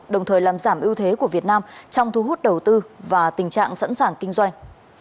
đồng thời làm giảm ưu thế của việt nam trong thu hút đầu tư và tình trạng sẵn sàng kinh doanh